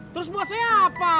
terus buat saya apa